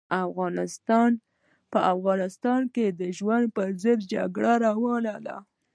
په افغانستان کې د ژوند پر ضد جګړه روانه ده.